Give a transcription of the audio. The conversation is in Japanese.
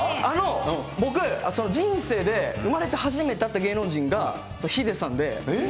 僕、人生で生まれて初めて会った芸能人がヒデさんで。